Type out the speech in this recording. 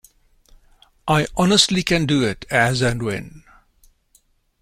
I honestly can do it as and when.